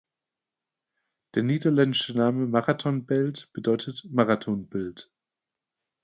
Der niederländische Name "Marathonbeeld" bedeutet "Marathonbild".